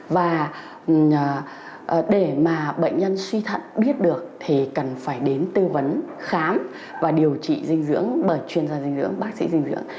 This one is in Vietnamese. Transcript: và để mà bệnh nhân suy thận biết được thì cần phải đến tư vấn khám và điều trị dinh dưỡng bởi chuyên gia dinh dưỡng bác sĩ dinh dưỡng